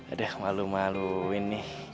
aduh malu maluin nih